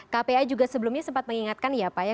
kpa juga sebelumnya sempat mengingatkan ya pak ya